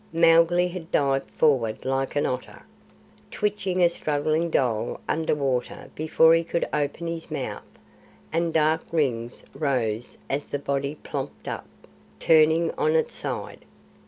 Mowgli had dived forward like an otter, twitched a struggling dhole under water before he could open his mouth, and dark rings rose as the body plopped up, turning on its side.